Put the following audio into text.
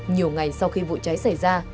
nhiều ngày sau khi vụ cháy xảy ra